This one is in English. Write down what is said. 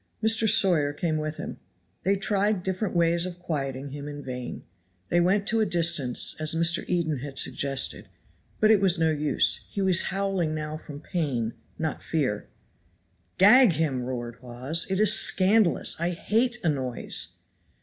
Mr. Sawyer came with him. They tried different ways of quieting him, in vain. They went to a distance, as Mr. Eden had suggested, but it was no use; he was howling now from pain, not fear. "Gag him!" roared Hawes, "it is scandalous; I hate a noise."